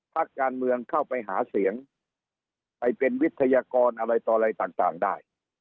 พักการเมืองเข้าไปหาเสียงไปเป็นวิทยากรอะไรต่ออะไรต่างได้